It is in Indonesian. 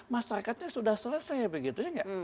masyarakatnya sudah selesai begitu ya